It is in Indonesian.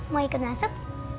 mau ikut masuk